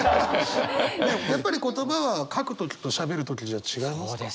やっぱり言葉は書く時としゃべる時じゃ違いますか？